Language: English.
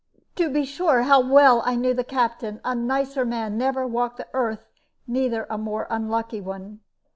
To be sure, how well I knew the Captain! A nicer man never walked the earth, neither a more unlucky one."